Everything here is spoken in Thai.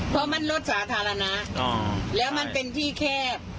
เพราะมันรถสาธารณะแล้วมันเป็นที่แคบ